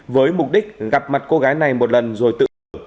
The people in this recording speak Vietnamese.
với mục đích gặp mặt cô gái này một lần rồi tự tử